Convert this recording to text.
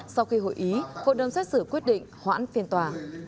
sau khi hội ý hội đồng xét xử quyết định hoãn phiên tòa